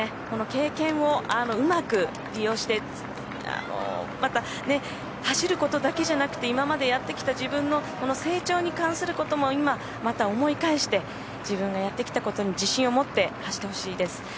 この経験をうまく利用してまた、走ることだけじゃなくて今までやってきた自分の成長に関することも今、また思い返して自分がやってきたことに自信を持って走ってほしいです。